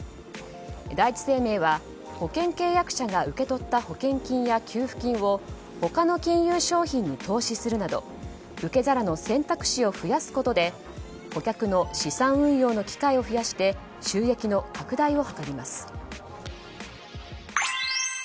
第一生命は保険契約者が受け取った保険金や保険金や給付金を他の金融商品に投資するなど受け皿の選択肢を増やすことで顧客の資産運用の機会を増やして収益の拡大を図ります。